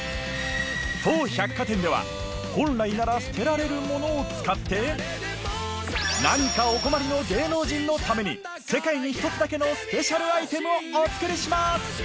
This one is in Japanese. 当百貨店では本来なら捨てられるものを使って何かお困りの芸能人のために世界に１つだけのスペシャルアイテムをお作りします！